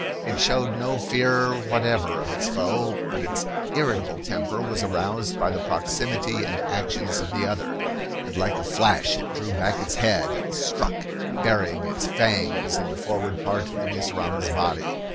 It showed no fear whatever of its foe, but its irritable temper was aroused by the proximity and actions of the other, and like a flash it drew back its head and struck, burying its fangs in the forward part of the mussurama's body.